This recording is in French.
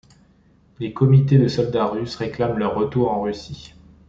Les comités de soldats russes réclament leur retour en Russie.